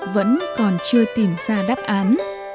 vẫn còn chưa tìm ra đáp án